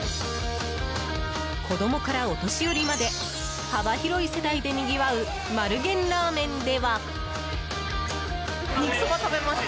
子供からお年寄りまで幅広い世代でにぎわう丸源ラーメンでは。